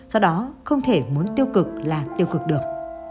do đó không thể muốn tiêu cực là tiêu cực được